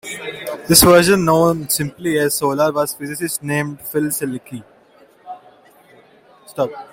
This version, known simply as Solar, was a physicist named Phil Seleski.